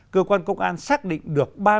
cơ quan công an xác định được